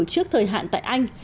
trước thời hạn tại anh